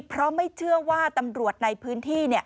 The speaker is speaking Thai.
เพราะไม่เชื่อว่าตำรวจในพื้นที่